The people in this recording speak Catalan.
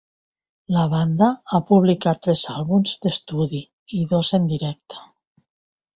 La banda ha publicat tres àlbums d'estudi i dos en directe.